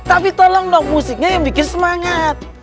tapi tolong dong musiknya yang bikin semangat